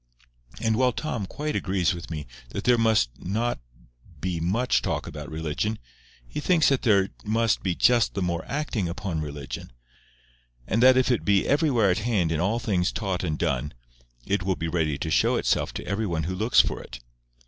And while Tom quite agrees with me that there must not be much talk about religion, he thinks that there must be just the more acting upon religion; and that if it be everywhere at hand in all things taught and done, it will be ready to show itself to every one who looks for it.